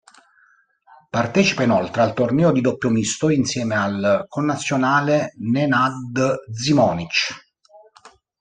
Partecipa inoltre al torneo di doppio misto insieme al connazionale Nenad Zimonjić.